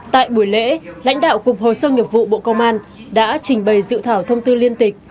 tại buổi lễ lãnh đạo cục hồ sơ nghiệp vụ bộ công an đã trình bày dự thảo thông tư liên tịch